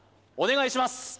お願いします